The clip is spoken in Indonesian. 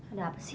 ada apa sih